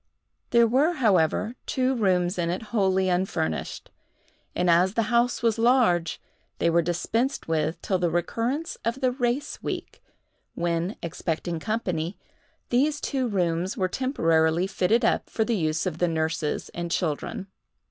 There were, however, two rooms in it wholly unfurnished; and as the house was large, they were dispensed with till the recurrence of the race week, when, expecting company, these two rooms were temporarily fitted up for the use of the nurses and children.